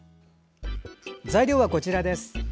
材料は、こちらです。